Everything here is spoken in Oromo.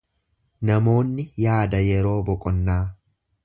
Namoonni yaada yeroo boqonnaa.